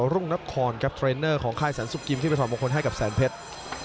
รุ่งนครครับเทรนเนอร์ของค่ายสรรสุกิมที่ไปถอดมงคลให้กับแสนเพชร